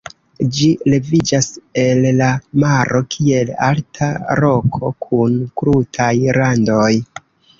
Ĝi leviĝas el la maro kiel alta roko kun krutaj randoj.